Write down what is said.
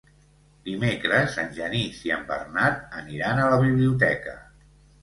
Dimecres en Genís i en Bernat aniran a la biblioteca.